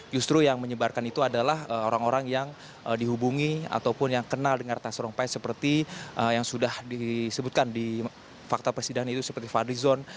justru yang menyebarkan itu adalah orang orang yang dihubungi ataupun yang kenal dengan ratna sarumpait seperti yang sudah disebutkan di fakta persidangan itu seperti fadli zon